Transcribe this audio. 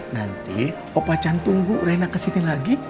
nanti opacan tunggu reina kesini lagi